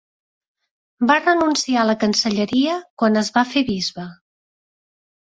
Va renunciar a la cancelleria quan es va fer bisbe.